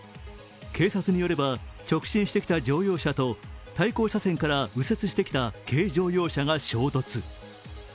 警察によれば、直進してきた乗用車と対向車線から右折してきた軽乗用車が衝突。